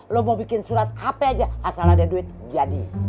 lo mau bikin surat hp aja asal ada duit jadi